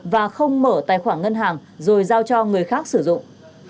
và không mở tài khoản ngân hàng rồi giao cho người khác sử dụng